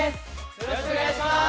よろしくお願いします